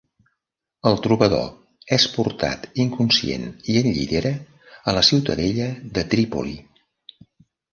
El trobador és portat inconscient i en llitera a la ciutadella de Trípoli.